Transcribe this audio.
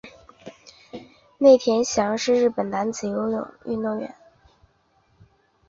内田翔是日本男子游泳运动员。